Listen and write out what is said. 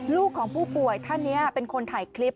ลูกของผู้ป่วยท่านนี้เป็นคนถ่ายคลิป